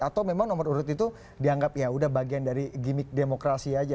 atau memang nomor urut itu dianggap ya udah bagian dari gimmick demokrasi aja